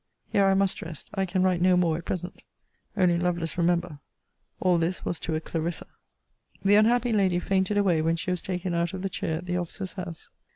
Here I must rest. I can write no more at present. Only, Lovelace, remember, all this was to a Clarissa. The unhappy lady fainted away when she was taken out of the chair at the officer's house.